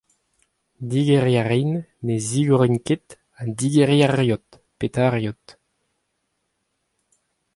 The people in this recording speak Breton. Digeriñ a rin, ne zigorin ket, ha digeriñ a reot, petra a reot.